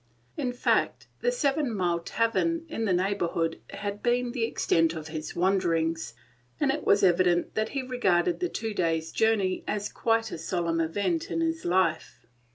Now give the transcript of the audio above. In fact, the seven mile tavern in the neighborhood had been the extent of his wanderings, and it was evident that he regarded the two days' journey as quite a solemn event in his life.